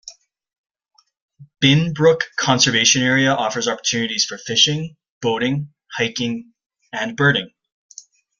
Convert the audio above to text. Binbrook Conservation Area offers opportunities for fishing, boating, hiking and birding.